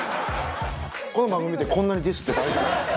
この番組ってこんなにディスって大丈夫なんですか？